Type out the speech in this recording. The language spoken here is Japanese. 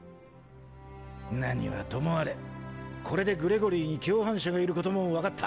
何はともあれこれでグレゴリーに共犯者がいることも分かった。